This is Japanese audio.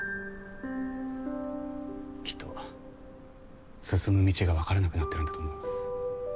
きっと進む道がわからなくなってるんだと思います。